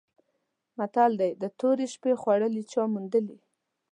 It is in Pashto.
متل دی: د تورې شپې خوړلي چا موندلي؟